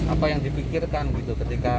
apa yang dipikirkan gitu ketika